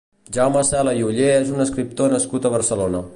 Jaume Cela i Ollé és un escriptor nascut a Barcelona.